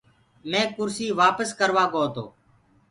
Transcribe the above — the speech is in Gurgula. مينٚ ڪُرسي وآپس ڪروآ گو تو۔